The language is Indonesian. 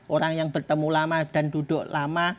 orang yang bertemu lama dan duduk lama